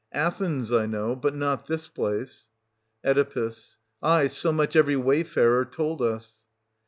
Athens I know, but not this place. Oe. Aye, so much every wayfarer told us.